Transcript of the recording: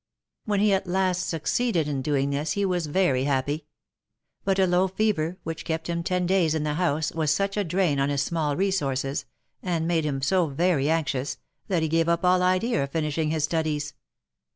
When he at last succeeded in doing this, he was very happy. But a low fever, which kept him ten days in the house, was such a drain on his small resources, and made him so very anxious, that he gave up all idea of finishing his studies.